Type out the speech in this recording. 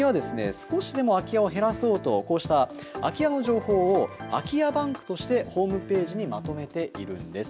少しでも空き家を減らそうとこうした空き家の情報を空き家バンクとしてホームページにまとめているんです。